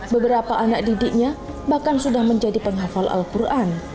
beberapa anak didiknya bahkan sudah menjadi penghafal al quran